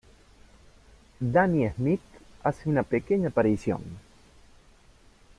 Danny Smith hace una pequeña aparición.